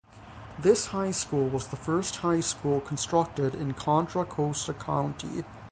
This high school was the first high school constructed in Contra Costa County.